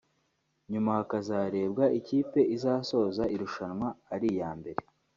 nyuma hakazarebwa ikipe izasoza irushanwa ari iya mbere